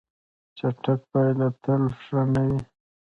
چټک پایله تل ښه نه وي.